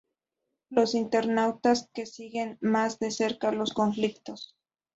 los internautas que siguen más de cerca los conflictos